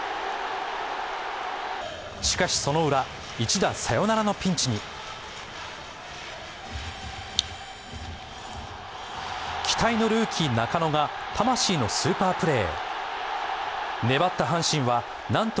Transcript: しかしそのウラ、一打サヨナラのピンチに期待のルーキー・中野が魂のスーパープレー。